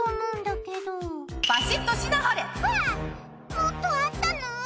もっとあったの？